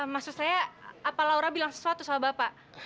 maksud saya apa laura bilang sesuatu sama bapak